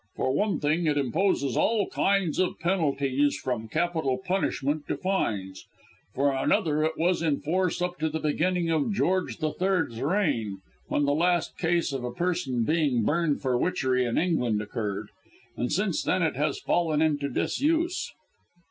For one thing, it imposes all kinds of penalties from capital punishment to fines. For another, it was in force up to the beginning of George the Third's reign, when the last case of a person being burned for witchery in England occurred, and since then it has fallen into disuse."